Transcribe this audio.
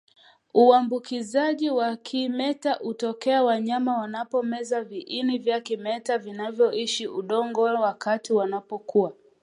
Uambukizaji wa kimeta hutokea wanyama wanapomeza viini vya kimeta vinavyoishi udongoni wakati wanapokuwa